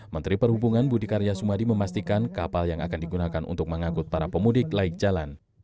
menteri perhubungan budi karya sumadi memastikan kapal yang akan digunakan untuk mengangkut para pemudik laik jalan